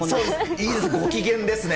いいですね、ご機嫌ですね。